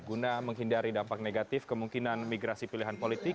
guna menghindari dampak negatif kemungkinan migrasi pilihan politik